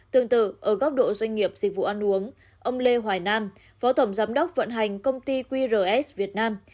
tương tự ở góc độ doanh nghiệp dịch vụ ăn uống ông lê hoài nam phó tổng giám đốc vận hành công ty qrs việt nam